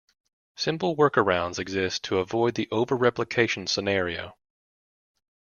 Simple workarounds exist to avoid the over-replication scenario.